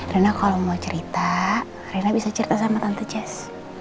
rina kalau mau cerita rina bisa cerita sama tante jas